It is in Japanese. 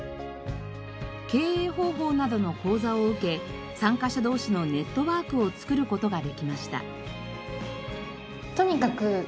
経営方法などの講座を受け参加者同士のネットワークを作る事ができました。